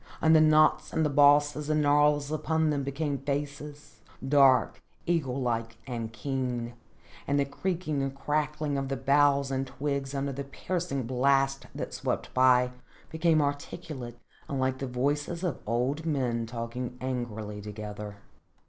And the knots and bosses and gnarls upon them became faces, dark, eagle like and keen, and the creaking and crackling of the boughs and twigs under the piercing blast that swept by, became articulate and like the voices of old men talking angrily together.